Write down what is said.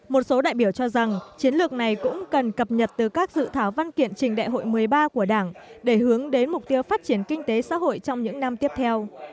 một số đại biểu cho rằng chiến lược này cũng cần cập nhật từ các dự thảo văn kiện trình đại hội một mươi ba của đảng để hướng đến mục tiêu phát triển kinh tế xã hội trong những năm tiếp theo